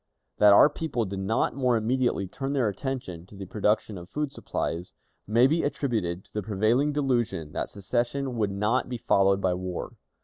That our people did not more immediately turn their attention to the production of food supplies, may be attributed to the prevailing delusion that secession would not be followed by war.